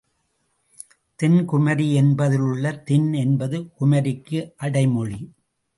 தென்குமரி என்பதிலுள்ள தென் என்பது குமரிக்கு அடைமொழி.